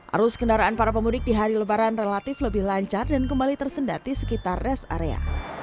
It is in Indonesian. arus kendaraan para pemudik di hari lebaran relatif lebih lancar dan kembali tersendati sekitar res area